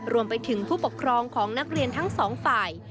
รวมไปถึงผู้ปกครองของนักเรียนทั้งสองฝ่าย